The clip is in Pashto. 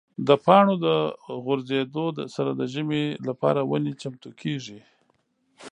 د پاڼو د غورځېدو سره د ژمي لپاره ونې چمتو کېږي.